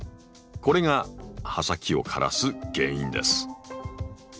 これが葉先を枯らす原因です。